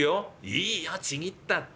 「いいよちぎったって。